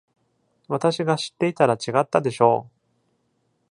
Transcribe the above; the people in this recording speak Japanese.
私が知っていたら違ったでしょう！